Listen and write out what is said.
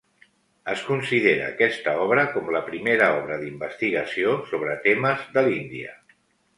Es considera aquesta obra com la primera obra d'investigació sobre temes de l'Índia.